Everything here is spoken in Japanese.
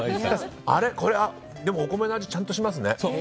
これ、でもお米の味ちゃんとしますね。